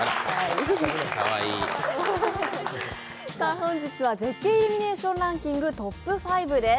本日は絶景イルミネーションランキングトップ５です。